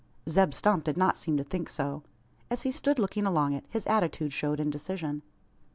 Zeb Stump did not seem to think so. As he stood looking along it, his attitude showed indecision.